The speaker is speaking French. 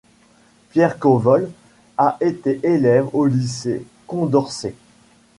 Pierre Corvol a été élève au lycée Condorcet.